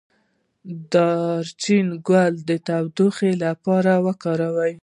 د دارچینی ګل د تودوخې لپاره وکاروئ